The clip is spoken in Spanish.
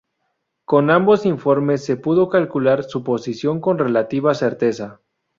Con ambos informes se pudo calcular su posición con relativa certeza.